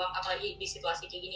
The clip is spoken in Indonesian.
apalagi di situasi kayak gini